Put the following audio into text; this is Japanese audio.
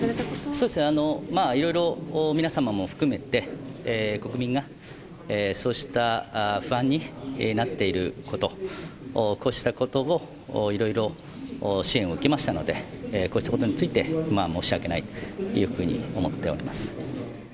そうですね、まあいろいろ、皆様も含めて、国民がそうした不安になっていること、こうしたことをいろいろ支援を受けましたので、こうしたことについて、申し訳ないというふうに思っております。